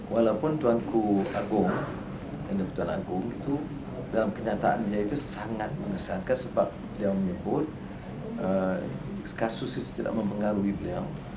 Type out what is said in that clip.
walaupun tuanku agung tuan agung itu dalam kenyataannya itu sangat mengesankan sebab dia menyebut kasus itu tidak mempengaruhi beliau